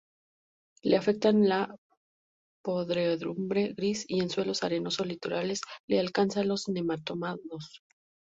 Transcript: Le afectan la podredumbre gris y, en suelos arenosos litorales, le alcanzan los nemátodos.